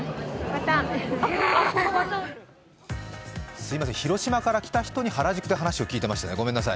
すみません、広島から来た人に原宿で話を聞いていました。